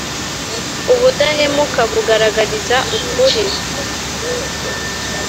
Ubudahemuka bugaragariza ukuri.